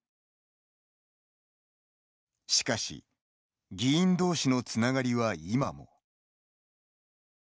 しかし議員同士のつながりは今も。